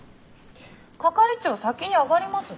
係長先に上がりますって。